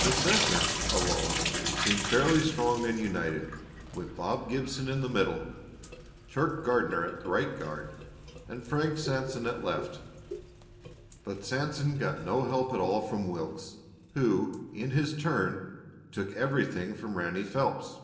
The center, alone, seemed fairly strong and united, with Bob Gibson in the middle "Turk" Gardner at right guard, and Frank Sanson at left. But Sanson got no help at all from Wilks, who, in his turn, took everything from Ranny Phelps.